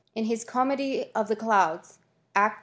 In his ledy of The Clouds, act ii.